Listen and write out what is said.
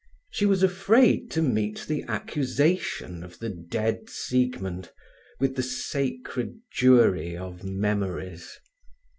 She was afraid to meet the accusation of the dead Siegmund, with the sacred jury of memories.